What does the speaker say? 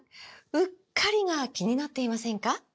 “うっかり”が気になっていませんか？